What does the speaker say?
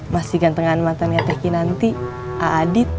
masih gantengan matanya teh kinanti adit